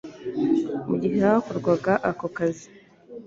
Mu gihe hakorwaga ako kazi